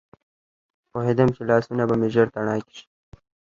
پوهېدم چې لاسونه به مې ژر تڼاکي شي.